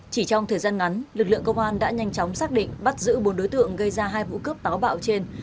chỉ trong thời gian ngắn lực lượng công an đã nhanh chóng xác định bắt giữ bốn đối tượng gây ra hai vụ cướp táo bạo trên